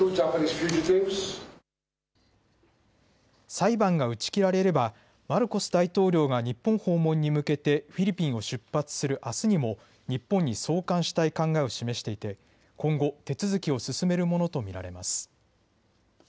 裁判が打ち切られればマルコス大統領が日本訪問に向けてフィリピンを出発するあすにも日本に送還したい考えを示していて今後、手続きを進めるものと見られます。